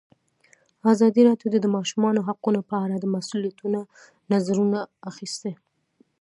ازادي راډیو د د ماشومانو حقونه په اړه د مسؤلینو نظرونه اخیستي.